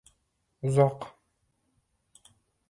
Uzoq —